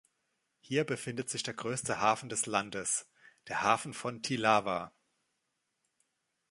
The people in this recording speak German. Hier befindet sich der größte Hafen des Landes, der Hafen von Thilawa.